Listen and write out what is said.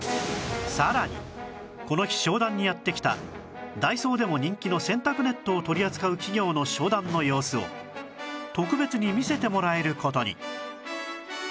さらにこの日商談にやって来たダイソーでも人気の洗濯ネットを取り扱う企業の商談の様子を特別に見せてもらえる事に